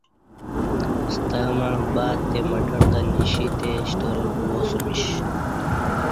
ستمع باتے مٹر تہ نیشی تہ شترال گواسیمش